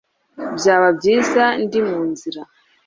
byaba byiza ndi mu nzira